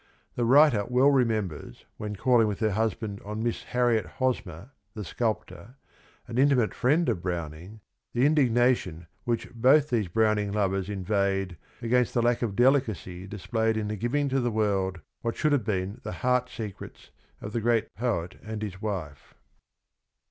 The writer well remembers when calling with her husband on Miss Harriet Hosmer, the sculptor, an in timate friend of Browning, the indignation with which both these Browning lovers inveighed against the lack of delicacy displayed in the giving to the world what should have been the heart secrets of the great poet and his wife.